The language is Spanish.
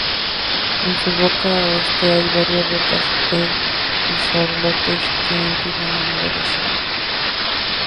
En su boca oeste hay varias rocas e islotes que impiden la navegación.